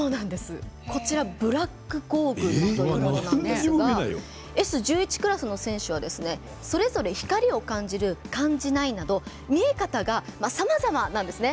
こちらブラックゴーグルというものなんですがＳ１１クラスの選手はそれぞれ光を感じる感じないなど、見え方がさまざまなんですね。